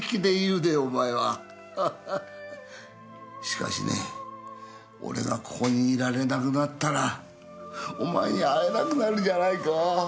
しかしね俺がここにいられなくなったらお前に会えなくなるじゃないか。